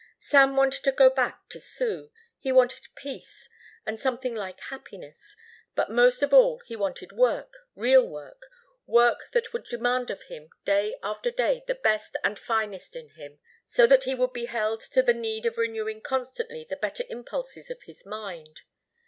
Sam wanted to go back to Sue; he wanted peace and something like happiness, but most of all he wanted work, real work, work that would demand of him day after day the best and finest in him so that he would be held to the need of renewing constantly the better impulses of his mind.